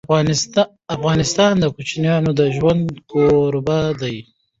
افغانستان د کوچیانو د ژوند کوربه دی.